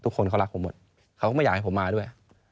คนเขารักผมหมดเขาก็ไม่อยากให้ผมมาด้วย